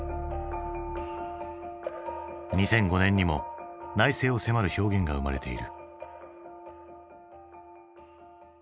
２００５年にも内省を迫る表現が生まれている。